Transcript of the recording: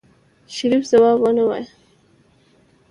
شريف ځواب ونه وايه.